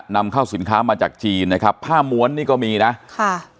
นำเข้าสินค้ามาจากจีนนะครับผ้าม้วนนี่ก็มีนะค่ะ